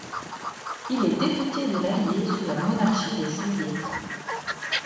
Il est député de l'Allier sous la Monarchie de Juillet.